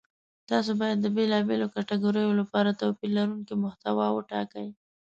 تاسو باید د بېلابېلو کتګوریو لپاره توپیر لرونکې محتوا وټاکئ.